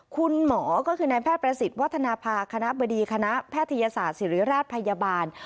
คุณหมอก็คือนายแพทย์ประสิทธิ์วัฒนภาคณะบดีคณะแพทยศาสตร์ศิริราชพยาบาล